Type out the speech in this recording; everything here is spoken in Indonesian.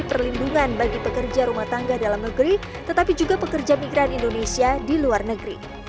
perlindungan bagi pekerja rumah tangga dalam negeri tetapi juga pekerja migran indonesia di luar negeri